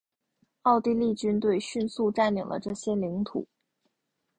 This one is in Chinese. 奥地利军队迅速占领了这些领土。